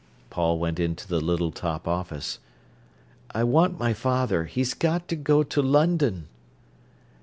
Paul went into the little top office. "I want my father; he's got to go to London."